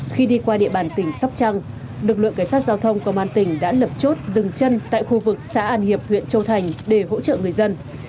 khi đi qua địa bàn tỉnh sóc trăng lực lượng cảnh sát giao thông công an tỉnh đã lập chốt dừng chân tại khu vực xã an hiệp huyện châu thành để hỗ trợ người dân